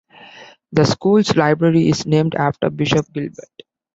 The school's library is named after Bishop Gilbert.